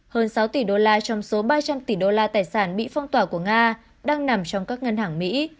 hơn sáu tỷ đô la trong số ba trăm linh tỷ đô la tài sản bị phong tỏa của nga đang nằm trong các ngân hàng mỹ